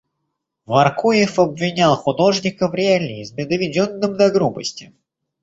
Воркуев обвинял художника в реализме, доведенном до грубости.